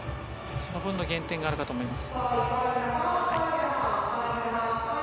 その分の減点があるかと思います。